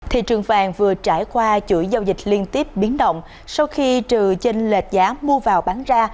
thị trường vàng vừa trải qua chuỗi giao dịch liên tiếp biến động sau khi trừ trên lệch giá mua vào bán ra